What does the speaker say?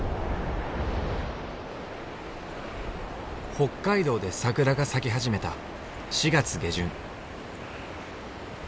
北海道で桜が咲き始めた４月下旬。